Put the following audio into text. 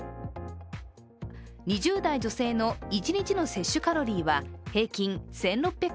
２０代女性の１日の摂取カロリーは平均１６００